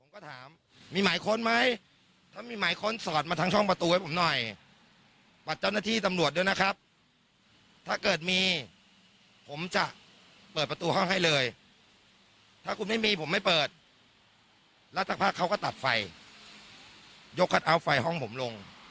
เพราะว่าเขาก็ตัดไฟยกคัดเอาไฟห้องผมลง